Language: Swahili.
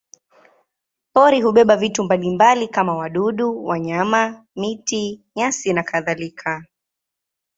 Pori hubeba vitu mbalimbali kama wadudu, wanyama, miti, nyasi nakadhalika.